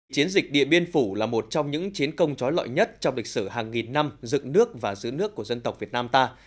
chiến dịch điện biên phủ là một trong những chiến công trói lọi nhất trong lịch sử hàng nghìn năm dựng nước và giữ nước của dân tộc việt nam ta